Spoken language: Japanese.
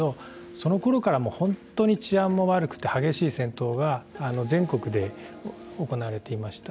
そのころから本当に治安も悪くて激しい戦闘が全国で行われていました。